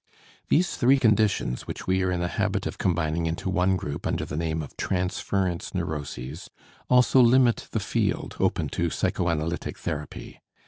These three conditions, which we are in the habit of combining into one group under the name of "transference neuroses," also limit the field open to psychoanalytic therapy.